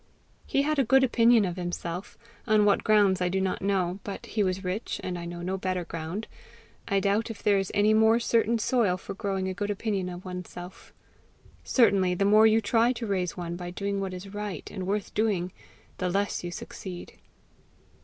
He had a good opinion of himself on what grounds I do not know; but he was rich, and I know no better ground; I doubt if there is any more certain soil for growing a good opinion of oneself. Certainly, the more you try to raise one by doing what is right and worth doing, the less you succeed.